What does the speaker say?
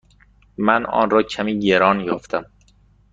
من آن را کمی گران یافتم.